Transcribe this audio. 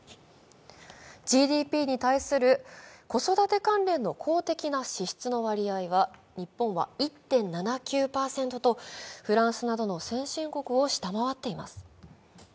ＧＤＰに対する子育て関連の公的な支出の割合は、日本は１．７９％と、フランスなどの先進国を下回っています。